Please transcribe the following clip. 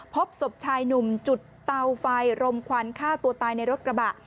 พบศพชายหนุ่มจุดเตาไฟรมควันฆ่าตัวตายในรถกระบะ